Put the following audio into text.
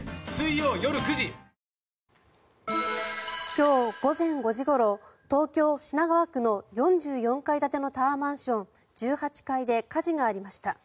今日午前５時ごろ東京・品川区の４４階建てのタワーマンション１８階で火事がありました。